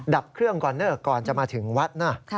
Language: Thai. ดับเครื่องก่อนเนอร์ก่อนจะมาถึงวัดนะ